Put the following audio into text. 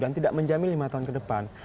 dan tidak menjamin lima tahun ke depan